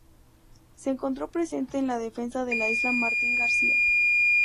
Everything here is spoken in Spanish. Se encontró presente en la defensa de la isla Martín García.